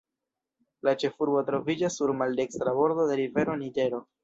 La ĉefurbo troviĝas sur maldekstra bordo de rivero Niĝero.